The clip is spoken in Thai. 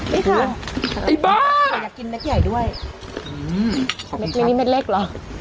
นี่ค่ะไอ้บ้าแต่อยากกินเม็ดใหญ่ด้วยอืมขอบคุณครับไม่มีเม็ดเล็กหรอ